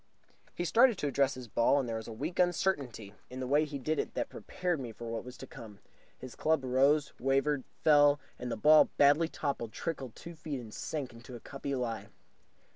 He started to address his ball, and there was a weak uncertainty in the way he did it that prepared me for what was to come. His club rose, wavered, fell; and the ball, badly topped, trickled two feet and sank into a cuppy lie.